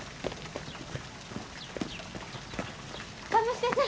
・鴨志田さん。